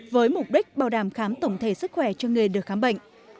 với mục đích bảo đảm khám tổng thể sức khỏe cho người được khám bệnh